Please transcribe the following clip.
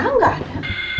enggak gak ada